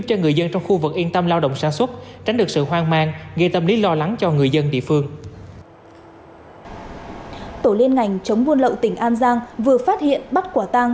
tổ liên ngành chống buôn lậu tỉnh an giang vừa phát hiện bắt quả tăng